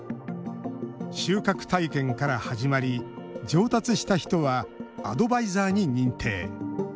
収穫体験から始まり上達した人はアドバイザーに認定。